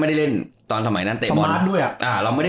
ไม่ได้เล่นตอนสมัยนั้นเตะบอลสมาร์ทด้วยอะ